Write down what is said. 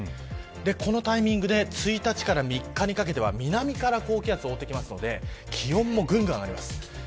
このタイミングで１日から３日にかけては南から高気圧がやってきますので気温もぐんぐん上がります。